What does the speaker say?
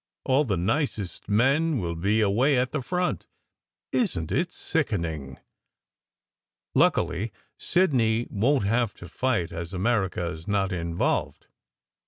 All the nicest men will be away at the front. Isn t it sickening? Luckily, Sidney won t have to fight, as America s not involved.